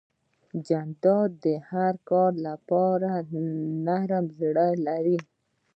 جانداد د هر کار لپاره نرم زړه لري.